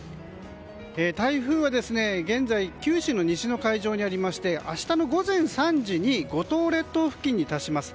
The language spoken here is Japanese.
台風は現在九州の西の海上にありまして明日の午前３時に五島列島付近に達します。